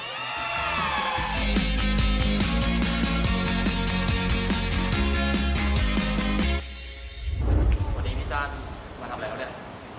สวัสดีพี่จ้านมาทำอะไรแล้ว